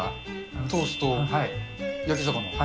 トースト、焼き魚。